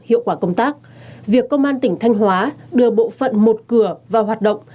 hiệu quả công tác việc công an tỉnh thanh hóa đưa bộ phận một cửa vào hoạt động